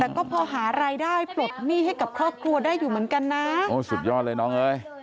แต่ก็พอหารายได้ปลดหนี้ให้กับครอบครัวได้อยู่เหมือนกันนะโอ้สุดยอดเลยน้องเอ้ย